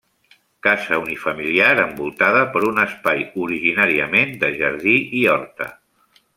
Casa unifamiliar envoltada per un espai originàriament de jardí i horta.